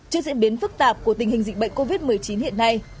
trước diễn biến phức tạp của tình hình dịch bệnh covid một mươi chín hiện nay